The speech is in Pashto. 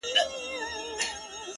زه دي د دريم ژوند پر زوال ږغېږم;